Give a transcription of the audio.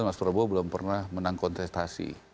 mas prabowo belum pernah menang kontestasi